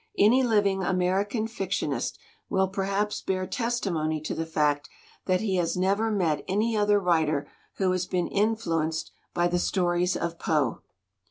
Any living American fictionist will per haps bear testimony to the fact that he has never met any other writer who has been influenced by the stories of Poe."